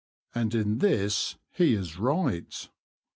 And in this he is right.